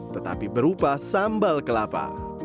tetapi berupa sambal kelapa